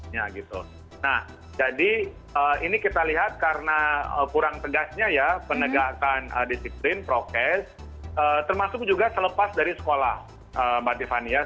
nah jadi ini kita lihat karena kurang tegasnya ya penegakan disiplin prokes termasuk juga selepas dari sekolah mbak tiffany ya